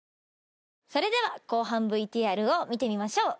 それでは後半ＶＴＲを見てみましょう。